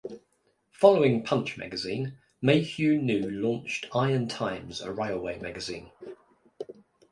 Following "Punch" magazine, Mayhew new launched "Iron Times", a railway magazine.